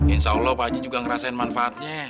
insya allah pak haji juga ngerasain manfaatnya